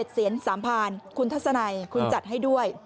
เสียน๓พานคุณทัศนัยคุณจัดให้ด้วย